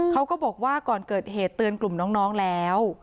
เขาก็บอกว่าก่อนเกิดเหตุเตือนกลุ่มน้องแล้ว